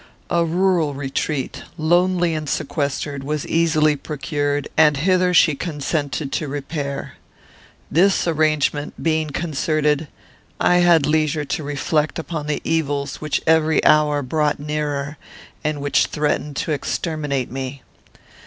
A rural retreat, lonely and sequestered, was easily procured, and hither she consented to repair. This arrangement being concerted, I had leisure to reflect upon the evils which every hour brought nearer, and which threatened to exterminate me.